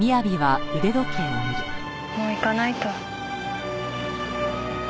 もう行かないと。